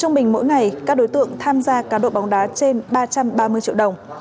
trung bình mỗi ngày các đối tượng tham gia cá độ bóng đá trên ba trăm ba mươi triệu đồng